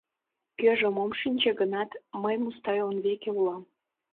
Кӧжым ом шинче гынат, мый Мустай он веке улам.